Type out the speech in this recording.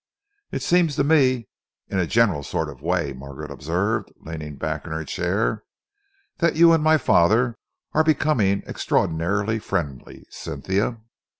"It seems to me, in a general sort of way," Margaret observed, leaning back in her chair, "that you and my father are becoming extraordinarily friendly, Cynthia."